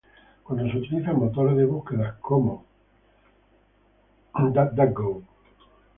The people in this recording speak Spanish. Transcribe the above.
Cuando se utilizan motores de búsqueda como Google, imágenes de Google, Yahoo!, Yahoo!